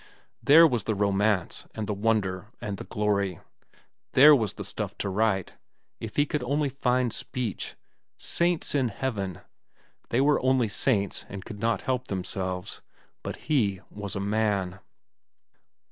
There was the romance, and the wonder, and the glory. There was the stuff to write, if he could only find speech. Saints in heaven!—They were only saints and could not help themselves. But he was a man.